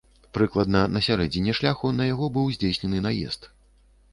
Прыкладна на сярэдзіне шляху на яго быў здзейснены наезд.